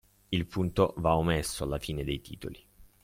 Il punto va omesso alla fine dei titoli.